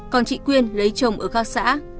còn chị quyên lấy chồng ở khác xã